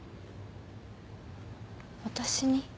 私に？